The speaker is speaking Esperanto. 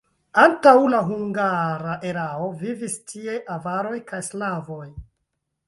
Antaŭ la hungara erao vivis tie avaroj kaj slavoj.